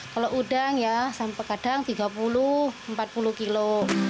kalau udang ya sampai kadang tiga puluh empat puluh kilo